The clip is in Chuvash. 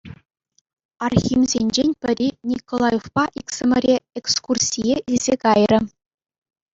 Архимсенчен пӗри Николаевпа иксӗмӗре экскурсие илсе кайрӗ.